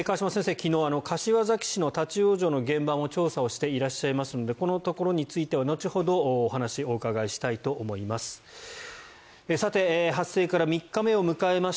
昨日、柏崎市の立ち往生の現場も調査をしていらっしゃいますのでこのところについて後ほどお話をお伺いしたいと思います。